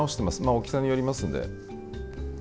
大きさによりますので。